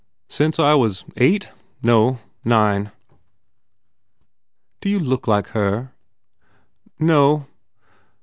"Since I was eight no, nine." "Do you look like her?" "No.